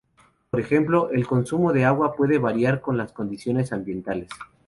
Por ejemplo, el consumo de agua puede variar con las condiciones ambientales.